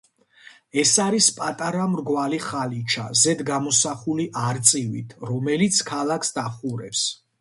ეს არის პატარა მრგვალი ხალიჩა, ზედ გამოსახული არწივით, რომელიც ქალაქს დაჰყურებს.